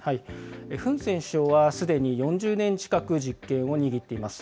フン・セン首相はすでに４０年近く実権を握っています。